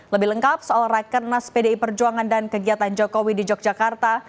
lebih lengkap soal rakernas pdi perjuangan dan kegiatan jokowi di yogyakarta